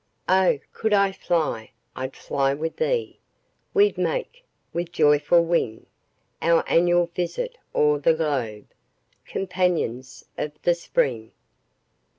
Oh, could I fly, I'd fly with thee! We'd make, with joyful wing, Our annual visit o'er the globe, Companions of the Spring.